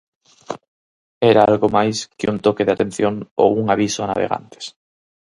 Era algo máis que un toque de atención ou un aviso a navegantes.